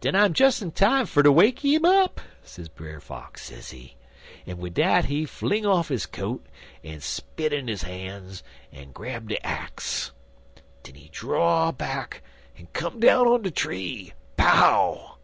"'Den I'm des in time fer ter wake im up, sez Brer Fox, sezee. En wid dat he fling off his coat, en spit in his han's, en grab de axe. Den he draw back en come down on de tree pow!